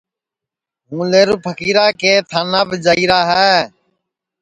ہُوں لیہرو پھکیرا کے تھاناپ جائییرا ہے